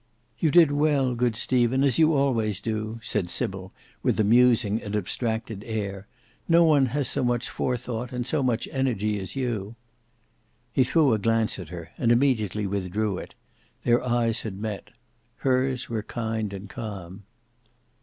"You did well, good Stephen, as you always do," said Sybil with a musing and abstracted air; "no one has so much forethought and so much energy as you." He threw a glance at her: and immediately withdrew it. Their eyes had met: hers were kind and calm.